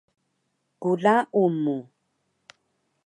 klaun mu